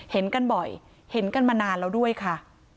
เห็นกันบ่อยเห็นกันมานานแล้วด้วยค่ะ